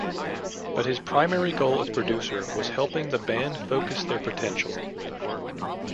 But his primary goal as producer was "helping the band focus their potential".